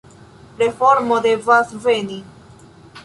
Reformo devas veni.